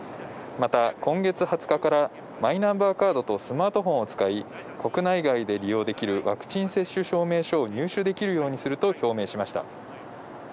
また、今月２０日からマイナンバーカードとスマートフォンを使い、国内外で利用できるワクチン接種証明書を入手できるようにすると表明しました。